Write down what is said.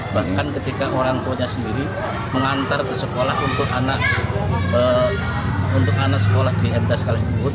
bahkan ketika orang tuanya sendiri mengantar ke sekolah untuk anak sekolah di mts kluwut